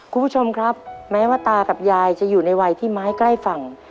คุณผู้ชมครับแม้ว่าตากับยายจะอยู่ในวัยที่ไม้ใกล้ฝั่ง